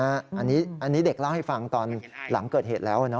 อันนี้เด็กเล่าให้ฟังตอนหลังเกิดเหตุแล้ว